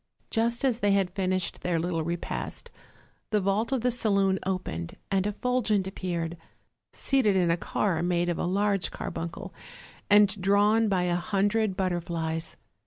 Just as they had finished their little repast the vault of the saloon opened, and Effulgent appeared, seated in a car made of a large carbuncle, and drawn by a hundred but terflies.